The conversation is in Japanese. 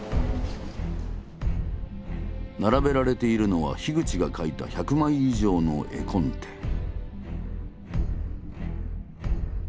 並べられているのは口が描いた１００枚以上の絵コンテ。